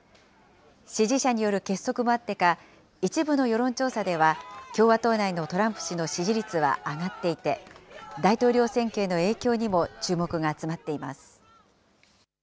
支持者による結束もあってか、一部の世論調査では、共和党内のトランプ氏の支持率は上がっていて、大統領選挙への影響にも注目が集まっています。